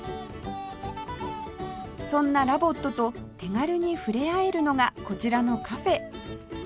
そんなラボットと手軽に触れ合えるのがこちらのカフェ